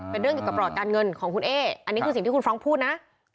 เป็นเรื่องเกี่ยวกับประวัติการเงินของคุณเอ๊อันนี้คือสิ่งที่คุณฟรองก์พูดนะ